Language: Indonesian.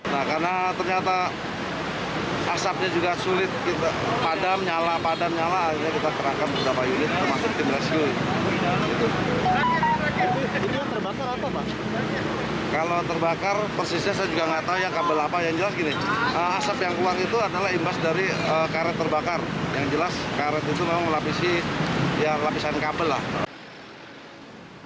yang jelas gini asap yang keluar itu adalah impas dari karet terbakar yang jelas karet itu memang melapisi lapisan kabel lah